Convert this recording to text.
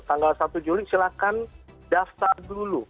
tanggal satu juli silakan daftar dulu